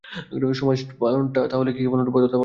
সমাজপালনটা তা হলে কি কেবলমাত্র ভদ্রতাপালন?